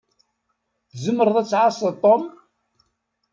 Tzemṛeḍ ad tɛasseḍ Tom?